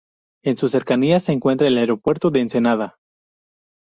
En sus cercanías se encuentra el Aeropuerto de Ensenada.